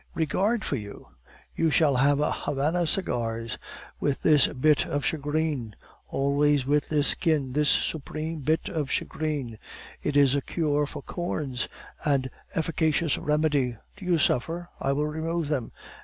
"Regard for you! You shall have Havana cigars, with this bit of shagreen: always with this skin, this supreme bit of shagreen. It is a cure for corns, and efficacious remedy. Do you suffer? I will remove them."